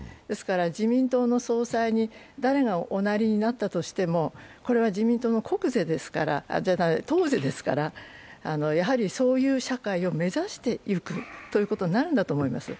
自民党の総裁に誰がおなりになったとしても、自民党の党是ですから、やはりそういう社会を目指していくということになるんだと思います。